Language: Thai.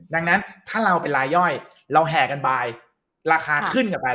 ดังนั้นถ้าเราเป็นรายย่อยเราแห่กันไปราคาขึ้นกันไป